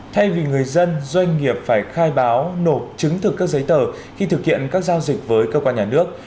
thay vì người dân doanh nghiệp phải khai báo nộp chứng thực các giấy tờ khi thực hiện các giao dịch với cơ quan nhà nước